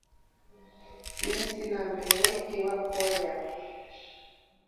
Nimsinambe wouki wamkotya.